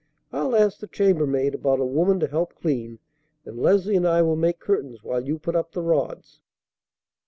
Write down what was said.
I'll ask the chambermaid about a woman to help clean, and Leslie and I will make curtains while you put up the rods."